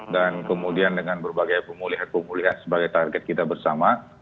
kemudian dengan berbagai pemulihan pemulihan sebagai target kita bersama